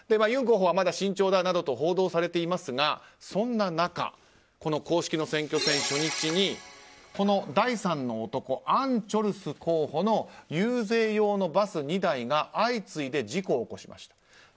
ユン候補はまだ慎重だなどと報道されていますがそんな中、公式の選挙戦初日に第３の男、アン・チョルス候補の遊説用のバス２台が相次いで事故を起こしました。